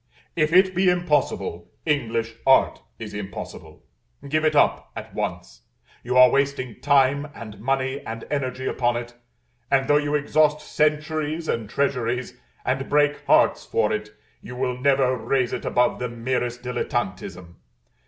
If it be impossible, English art is impossible. Give it up at once. You are wasting time, and money, and energy upon it, and though you exhaust centuries and treasuries, and break hearts for it, you will never raise it above the merest dilettanteism.